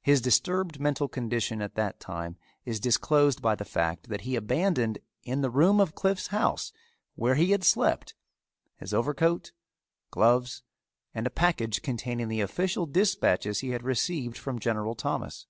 His disturbed mental condition at that time is disclosed by the fact that he abandoned in the room of Cliffe's house, where he had slept, his overcoat, gloves, and a package containing the official dispatches he had received from General Thomas.